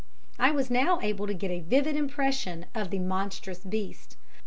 I was now able to get a vivid impression of the monstrous beast.